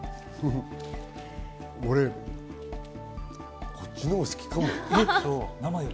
俺こっちのほうが好きかも。